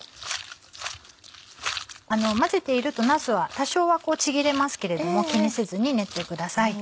混ぜているとなすは多少はちぎれますけれども気にせずに練ってください。